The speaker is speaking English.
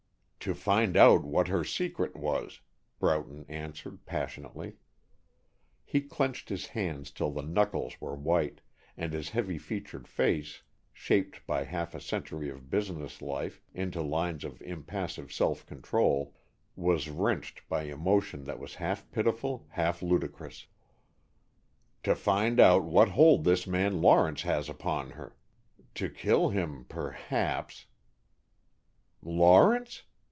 "To find out what her secret was," Broughton answered, passionately. He clenched his hands till the knuckles were white, and his heavy featured face, shaped by half a century of business life into lines of impassive self control, was wrenched by emotion that was half pitiful, half ludicrous. "To find out what hold this man Lawrence has upon her, to kill him, perhaps, " "Lawrence?